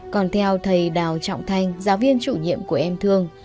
còn theo thầy đào trọng thanh giáo viên chủ nhiệm của em thương